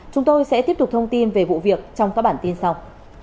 chúng tôi sẽ tiếp tục thông tin về vụ việc trong các bản tin sau